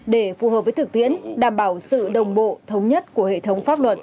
để phù hợp với thực tiễn đảm bảo sự đồng bộ thống nhất của hệ thống pháp luật